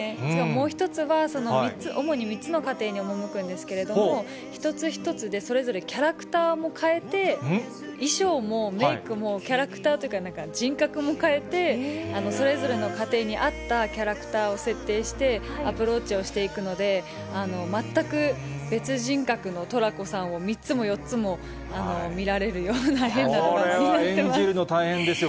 もう一つは、３つ、主に３つの家庭に赴くんですけれども、一つ一つで、それぞれキャラクターも変えて、衣装もメークもキャラクターというか、人格も変えて、それぞれの家庭に合ったキャラクターを設定してアプローチをしていくので、全く別人格のトラコさんを３つも４つも見られるような変なドラマになっています。